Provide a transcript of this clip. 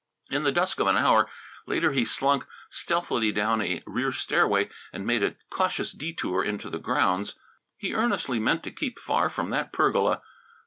In the dusk of an hour later he slunk stealthily down a rear stairway and made a cautious detour into the grounds. He earnestly meant to keep far from that pergola.